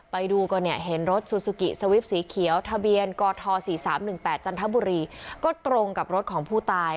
ไปดูก็เนี่ยเห็นรถซูซูกิสวิปสีเขียวทะเบียนกท๔๓๑๘จันทบุรีก็ตรงกับรถของผู้ตาย